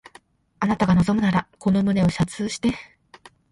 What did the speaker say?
あなたが望むならこの胸を射通して